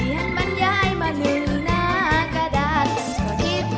ยิมเต้นได้นะแล้วแต้วหละดูแล้วเขาเต้นไม่ได้หรอกพี่ว่า